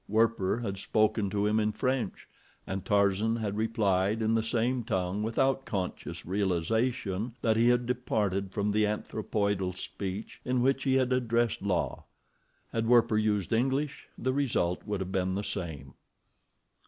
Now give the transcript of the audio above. Werper had spoken to him in French, and Tarzan had replied in the same tongue without conscious realization that he had departed from the anthropoidal speech in which he had addressed La. Had Werper used English, the result would have been the same.